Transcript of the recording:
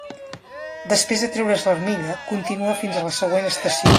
Després de treure's l'armilla, continua fins a la següent estació.